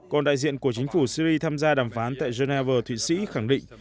còn đại diện của chính phủ syri tham gia đàm phán tại geneva thụy sĩ khẳng định